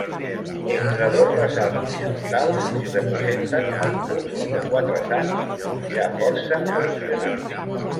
Entre dos ressalts horitzontals s'hi representen els busts de quatre sants, ja força erosionats.